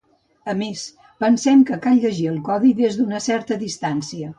A més, pensem que cal llegir el codi des d’una certa distància.